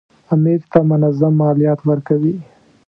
امیر ته منظم مالیات ورکوي.